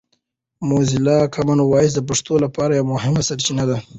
موزیلا کامن وایس د پښتو لپاره یوه مهمه سرچینه ده.